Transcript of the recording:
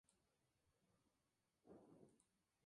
Las bellotas maduran entre septiembre y octubre del año siguiente.